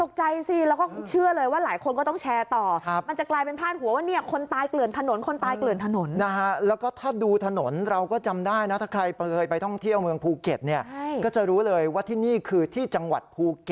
ตกใจสิแล้วก็เชื่อเลยว่าหลายคนก็ต้องแชร์ต่อ